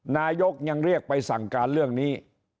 นายกยังเรียกไปสั่งการเรื่องนี้